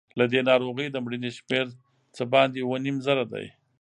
له دې ناروغۍ د مړینې شمېر څه باندې اووه نیم زره دی.